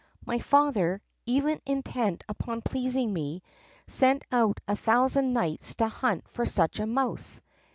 My father, ever intent upon pleasing me, sent out a thousand knights to hunt for such a mouse.